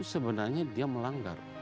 sebenarnya dia melanggar